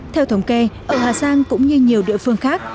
theo thống kê ở hà giang cũng như nhiều địa phương khác